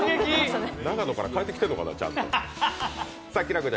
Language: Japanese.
長野から帰ってきてんのかな、ちゃんと。